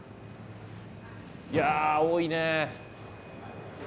いやあ多いね！